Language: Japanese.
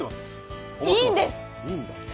いいんです！